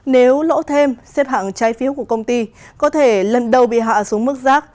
nếu lỗ thêm xếp hạng trái phiếu của công ty có thể lần đầu bị hạ xuống mức rác